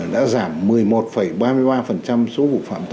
đã giảm một mươi một ba mươi ba số vụ tội phạm